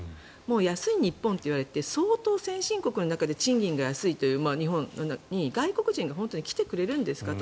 安い日本といわれて相当、先進国の中で賃金が安いという日本に外国人が本当に来てくれるんですかと。